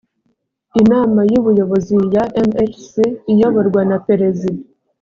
inama y ubuyobozi ya mhc iyoborwa na perezida